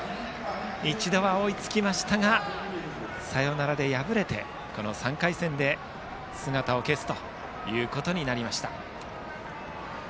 一度は追いつきましたがサヨナラで敗れて３回戦で姿を消すことになりました。